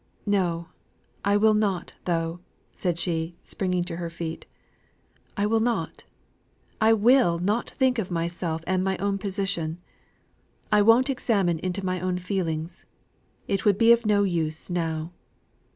No, I will not though," said she, springing to her feet. "I will not I will not think of myself and my own position. I won't examine into my own feelings. It would be of no use now.